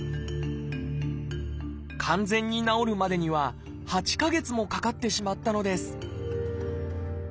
完全に治るまでには８か月もかかってしまったのです